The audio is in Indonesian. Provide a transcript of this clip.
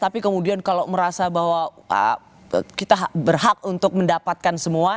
tapi kemudian kalau merasa bahwa kita berhak untuk mendapatkan semua